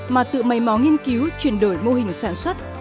mà tự mây mò nghiên cứu chuyển đổi mô hình sản xuất